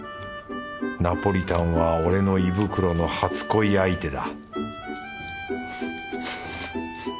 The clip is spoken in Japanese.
ナポリタンは俺の胃袋の初恋相手だ